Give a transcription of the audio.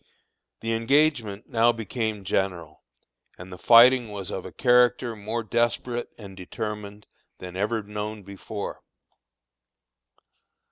The engagement now became general, and the fighting was of a character more desperate and determined than ever known before.